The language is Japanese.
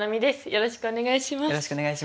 よろしくお願いします。